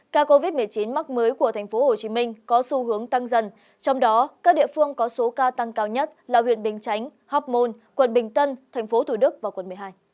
ca covid một mươi chín mắc mới của thành phố hồ chí minh có xu hướng tăng dần trong đó các địa phương có số ca tăng cao nhất là huyện bình chánh học môn quận bình tân thành phố thủ đức và quận một mươi hai